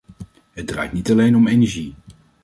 Het draait niet alleen om energie!